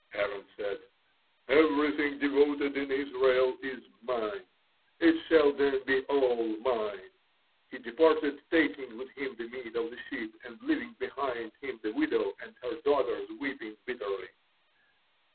Aaron said, 'Everything devoted in Israel is mine. It shall then be all mine.' He departed, taking with him the meat of the sheep, and leaving behind him the widow and her daughters weeping bitterly.